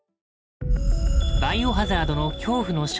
「バイオハザード」の恐怖の正体。